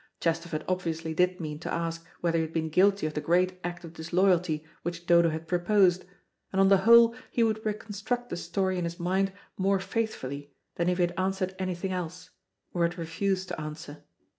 Chesterford obviously did mean to ask whether he had been guilty of the great act of disloyalty which Dodo had proposed, and on the whole he would reconstruct the story in his mind more faithfully than if he had answered anything else, or had refused to answer.